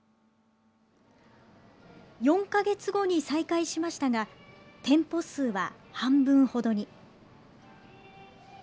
４か月後に再開しましたが店舗数は半分ほどに。